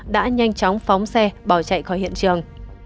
đã nhanh chóng phóng xe bỏ chạy khỏi hiện trường